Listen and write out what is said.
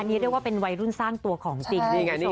อันนี้เรียกว่าวัยรุ่นสร้างตัวของจริง